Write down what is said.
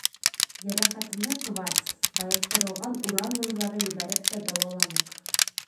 Йәрәхәтенә кварц, байыҡтырылған уран нурҙары ебәреп тә дауаланыҡ.